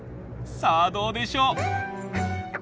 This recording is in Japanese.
さあどうでしょう？